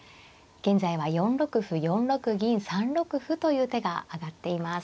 現在は４六歩４六銀３六歩という手が挙がっています。